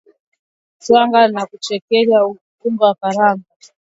twanga na kuchekecha unga wa karanga